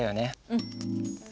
うん。